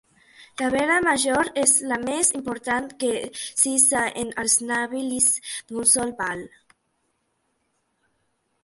La vela major és la més important que s'hissa en els navilis d'un sol pal.